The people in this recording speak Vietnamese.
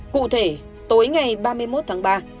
cụ thể tối ngày ba mươi một tháng ba